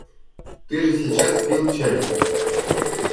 — Ты же сейчас пил чай.